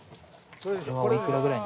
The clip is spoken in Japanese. これは幾らぐらい？